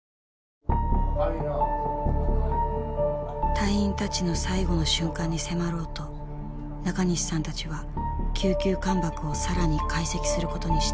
隊員たちの最期の瞬間に迫ろうと中西さんたちは九九艦爆を更に解析することにした。